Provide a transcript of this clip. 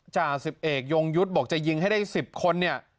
จ่า๑๑ยงยุทธ์บอกจะยิงให้ได้๑๐คน